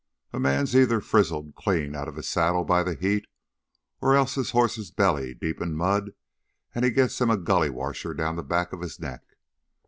A man's either frizzled clean outta his saddle by the heat or else his hoss's belly's deep in the mud an' he gits him a gully washer down the back of his neck!